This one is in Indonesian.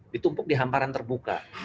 ditumpuk di hamparan terbuka